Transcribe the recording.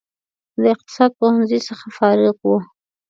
د اقتصاد پوهنځي څخه فارغ و.